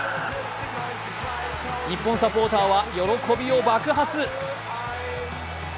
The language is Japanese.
日本サポーターは喜びを爆発。